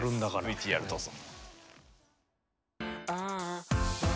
ＶＴＲどうぞ。